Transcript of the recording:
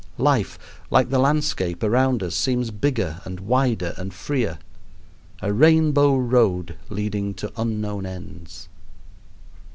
Life, like the landscape around us, seems bigger, and wider, and freer a rainbow road leading to unknown ends.